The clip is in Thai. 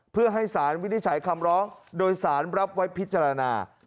เพื่อให้สารวินิจฉัยคำร้องโดยสารรับไว้พิจารณา